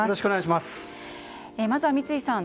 まずは三井さん